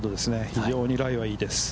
非常にライはいいです。